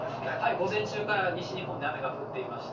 午前中から西日本で雨が降っていました。